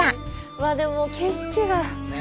うわでも景色が。ね。